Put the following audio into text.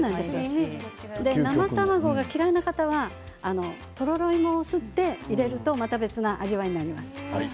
生卵が嫌いな方はとろろ芋をすって入れるとまた別の味わいになります。